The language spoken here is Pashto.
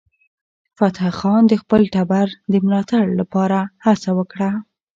فتح خان د خپل ټبر د ملاتړ لپاره هڅه وکړه.